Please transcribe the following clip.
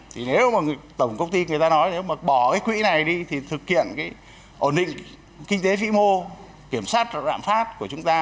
thì nếu mà tổng công ty người ta nói nếu mà bỏ cái quỹ này đi thì thực hiện cái ổn định kinh tế vĩ mô kiểm soát rạm phát của chúng ta